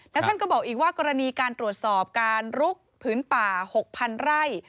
แล้วท่านก็บอกอีกว่ากรณีการตรวจสอบการลุกผืนป่า๖๐๐๐ไร่